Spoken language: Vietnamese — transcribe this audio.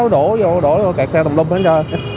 đổ vô kẹt xe tầm lông